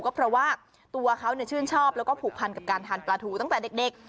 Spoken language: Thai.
ก็เพราะว่าตัวเขาชื่นชอบแล้วก็ผูกพันกับการทานปลาทูตั้งแต่เด็ก